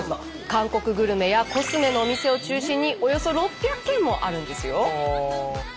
韓国グルメやコスメのお店を中心におよそ６００軒もあるんですよ。